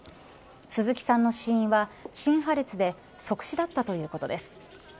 鈴木さんの死因は心破裂で即死だったということです。